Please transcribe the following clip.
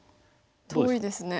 遠いですね。